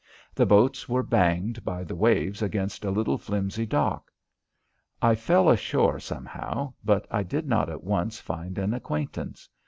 The boats were banged by the waves against a little flimsy dock. I fell ashore somehow, but I did not at once find an acquaintance.